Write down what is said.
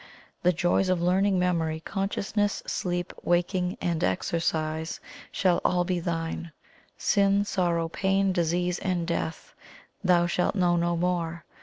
The joys of learning, memory, consciousness, sleep, waking, and exercise shall all be thine. Sin, sorrow, pain, disease and death thou shalt know no more.